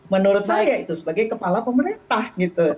menurut saya itu sebagai kepala pemerintah gitu